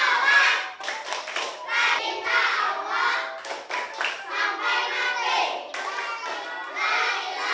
duduk senang berdiri senang berkutak kutak berkutuk kutuk tangan berlengeng lengeng jemputi goyang goyang